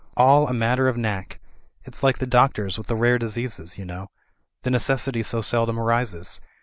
All a matter of knack. It's like the doctors with the rare diseases, you know; the necessity so seldom arises.